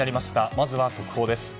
まずは速報です。